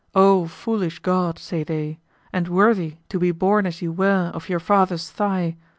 O foolish god, say they, and worthy to be born as you were of your father's thigh!